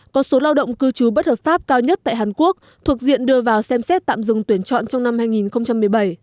có số lao động cư trú bất hợp pháp cao nhất tại hàn quốc thuộc diện đưa vào xem xét tạm dừng tuyển chọn trong năm hai nghìn một mươi bảy